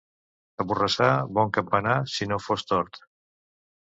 A Borrassà, bon campanar si no fos tort.